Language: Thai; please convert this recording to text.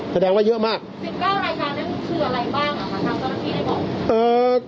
แสดงว่าเยอะมากสิบเก้ารายการนั้นคืออะไรบ้างอ่ะคำต้อนรับที่ได้บอก